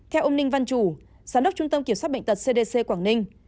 theo ông ninh văn chủ giám đốc trung tâm kiểm soát bệnh tật cdc quảng ninh